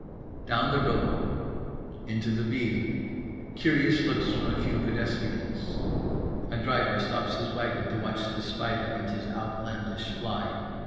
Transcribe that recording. Down the road. Into the ville. Curious looks from a few pedestrians. A driver stops his wagon to watch the spider and his outlandish fly.